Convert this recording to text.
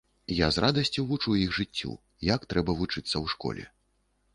Я з радасцю вучу іх жыццю, як трэба вучыцца ў школе.